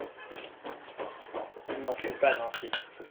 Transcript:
Il n'en fut pas ainsi.